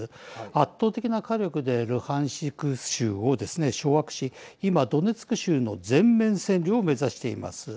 圧倒的な火力でルハンシク州をですね、掌握し今、ドネツク州の全面占領を目指しています。